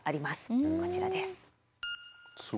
こちらです。